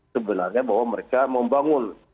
sebenarnya bahwa mereka membangun